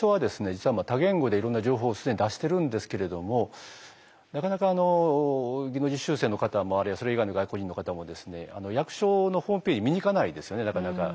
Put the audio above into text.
実は多言語でいろんな情報を既に出してるんですけれどもなかなか技能実習生の方あるいはそれ以外の外国人の方もですね役所のホームページ見に行かないですよねなかなか。